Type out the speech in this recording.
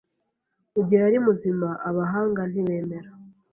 Mugihe yari muzima abahanga ntibemera